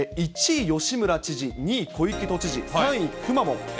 １位吉村知事、２位小池都知事、３位くまモン。